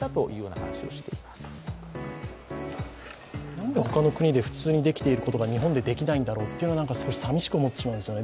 何で他の国で普通にできていることが、日本でできないんだろうというのが少しさみしく思ってしまいますよね。